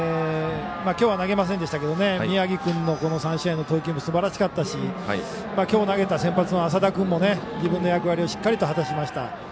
きょうは投げませんでしたけど宮城君の３試合の投球もすばらしかったしきょう投げた先発の浅田君も自分の役割をしっかりと果たしました。